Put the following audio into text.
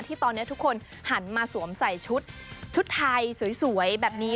ที่ตอนนี้ทุกคนหันมาสวมใส่ชุดไทยสวยแบบนี้